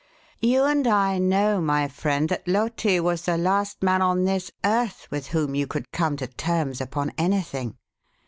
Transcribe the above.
You and I know, my friend, that Loti was the last man on this earth with whom you could come to terms upon anything.